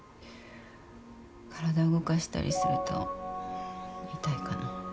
体を動かしたりすると痛いかな。